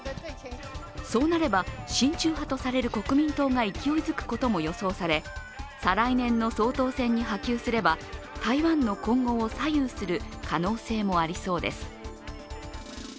そうなれば親中派とされる国民党が勢いづくことも予想され、再来年の総統選に波及すれば台湾の今後を左右する可能性もありそうです。